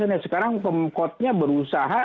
ya sekarang pemkotnya berusaha